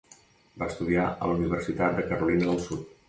Va estudiar a la Universitat de Carolina del Sud.